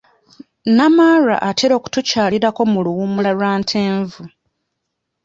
Namaalwa atera kutukyalirako mu luwummula lwa Ntenvu.